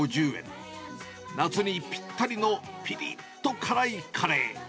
夏にぴったりのぴりっと辛いカレー。